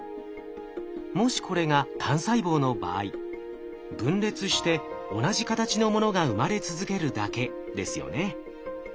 もしこれが単細胞の場合分裂して同じ形のものが生まれ続けるだけですよね。